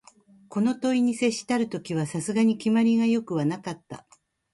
この問に接したる時は、さすがに決まりが善くはなかった